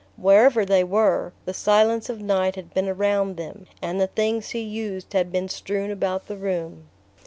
Wherever they were, the silence of night had been around them, and the things he used had been strewn about the room...